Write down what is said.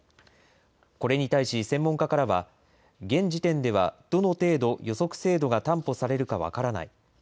これに対し専門家からは、現時点ではどの程度、予測精度が担保されるか分からない。